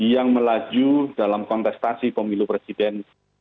yang melaju dalam kontestasi pemilu presiden dua ribu dua puluh empat